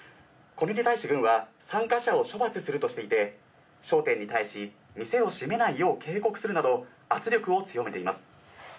これに対し軍は参加者を処罰するとしていて、商店に対し店を閉めないよう警告するなど圧力を強めています。